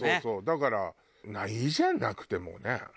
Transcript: だからいいじゃんなくてもね。